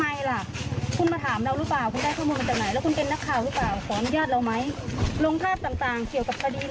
นี่ความสุขความอะไรให้รู้หมดเลย